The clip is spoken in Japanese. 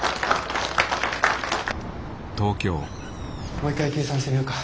もう一回計算してみようか。